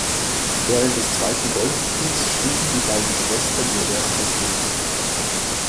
Während des Zweiten Golfkriegs schrieben die beiden Schwestern ihr erstes Lied.